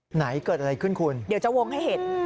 ไหนเกิดอะไรขึ้นคุณเดี๋ยวจะวงให้เห็น